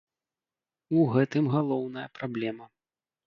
У гэтым галоўная праблема.